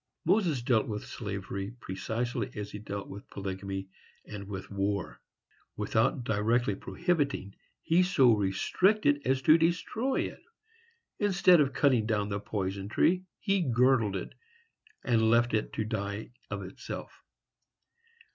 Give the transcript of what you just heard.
Moses dealt with slavery precisely as he dealt with polygamy and with war: without directly prohibiting, he so restricted as to destroy it; instead of cutting down the poison tree, he girdled it, and left it to die of itself.